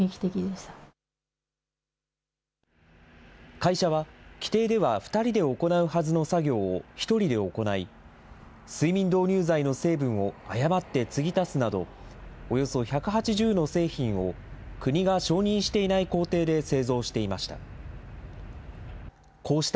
会社は、規定では２人で行うはずの作業を１人で行い、睡眠導入剤の成分を誤って継ぎ足すなど、およそ１８０の製品を、国が承認していない工程で製造していました。